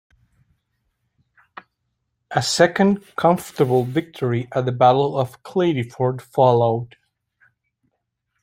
A second comfortable victory at the Battle of Cladyford followed.